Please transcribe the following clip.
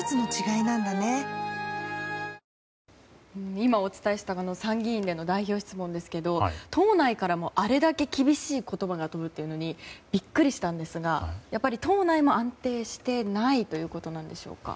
今、お伝えした参議院での代表質問ですけど党内からもあれだけ厳しい言葉が飛ぶというのにビックリしたんですがやっぱり党内も安定していないということなんでしょうか。